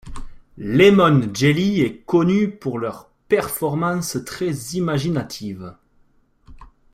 Lemon Jelly est connu pour leurs performances très imaginatives.